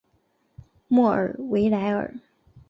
莫尔维莱尔。